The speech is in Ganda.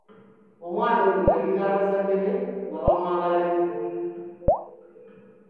Omwana oyo yalina bazadde be nga bamwagala nnyo.